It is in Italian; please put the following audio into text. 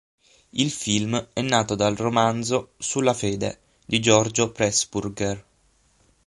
Il film è nato dal romanzo "Sulla fede" di Giorgio Pressburger.